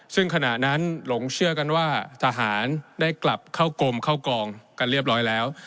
ซึ่งขณะนั้นหลงเชื่อกันว่าทหารได้กลับเข้ากรมเข้ากองกันเรียบร้อยแล้ว